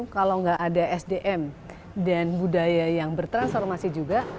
kalau nggak ada sdm dan budaya yang bertransformasi juga